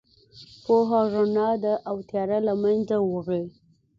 پوهه رڼا ده او تیاره له منځه وړي.